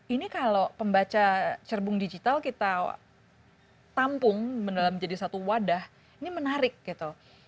ini kalau pembaca cerbung digital kita tampung menjadi satu wadah ini menarik gitu